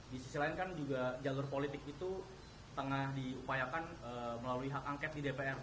di sisi lain kan juga jalur politik itu tengah diupayakan melalui hak angket di dpr